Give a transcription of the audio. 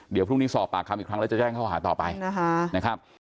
เดี๋ยวพรุ่งนี้สอบปากคำอีกครั้งแล้วจะแจ้งเข้าหาต่อไปนะครับ